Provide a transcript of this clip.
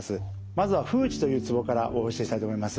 まずは風池というツボからお教えしたいと思います。